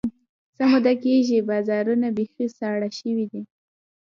څه موده کېږي، بازارونه بیخي ساړه شوي دي.